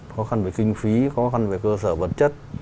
khó khăn về kinh phí khó khăn về cơ sở vật chất